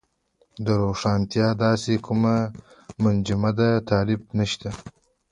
د روښانتیا داسې کوم منجمد تعریف نشته.